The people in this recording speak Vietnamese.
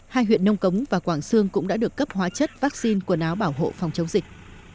hai huyện nông cống và quảng sương cũng đã được cấp hóa chất vaccine quần áo bảo hộ phòng chống dịch